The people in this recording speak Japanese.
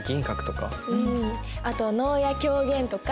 あと能や狂言とか。